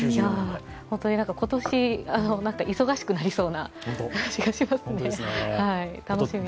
本当に今年、忙しくなりそうな気がしますね。